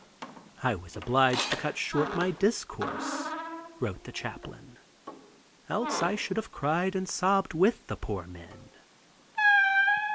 "I was obliged to cut short my discourse," wrote the chaplain, "else I should have cried and sobbed with my poor men."